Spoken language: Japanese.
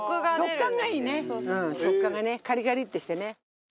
食感がねカリカリってしてね。